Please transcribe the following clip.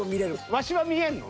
ワシは見えんの？